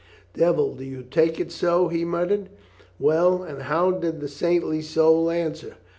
"Devil, do you take it so?" he mut tered. "Well, and how did the saintly soul answer?"